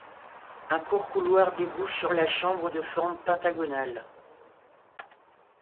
Un court couloir débouche sur la chambre de forme pentagonale.